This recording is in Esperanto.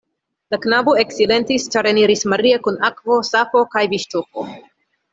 La knabo eksilentis, ĉar eniris Maria kun akvo, sapo kaj viŝtuko.